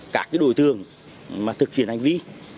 các đối tượng thực hiện hành vi